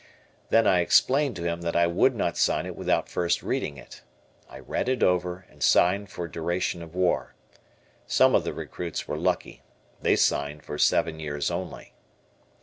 Then I explained to him that I would not sign it without first reading it. I read it over and signed for duration of war. Some of the recruits were lucky. They signed for seven years only.